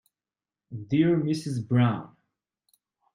Dear Mrs Brown.